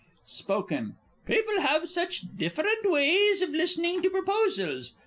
Spoken People have such different ways of listening to proposals.